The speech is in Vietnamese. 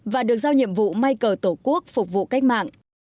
và được giao nhiệm vụ may cờ tổ quốc phục vụ cách mạng